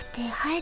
え？